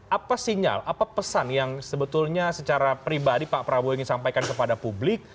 apa sinyal apa pesan yang sebetulnya secara pribadi pak prabowo ingin sampaikan kepada publik